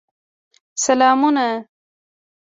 سلامونه !